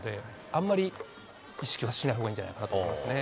あんまり意識はしないほうがいいんじゃないかなと思いますね。